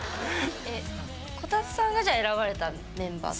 こたつさんがじゃあ選ばれたメンバー？